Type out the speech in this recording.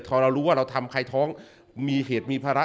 พอเรารู้ว่าเราทำใครท้องมีเหตุมีภาระ